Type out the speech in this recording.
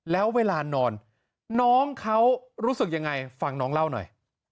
แล้วเวลานอนน้องเขารู้สึกยังไงฟังน้องเล่าหน่อย